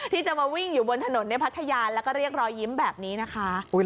ที่จะมาวิ่งอยู่บนถนนในพัทยาแล้วก็เรียกรอยยิ้มแบบนี้นะคะ